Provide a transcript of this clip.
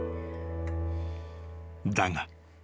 ［だが］